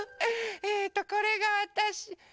えっとこれがわたし。